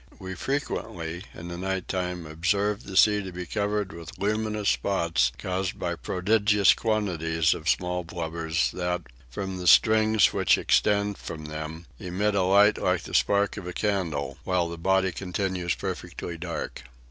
We frequently in the night time observed the sea to be covered with luminous spots caused by prodigious quantities of small blubbers that, from the strings which extend from them, emit a light like the blaze of a candle, while the body continues perfectly dark.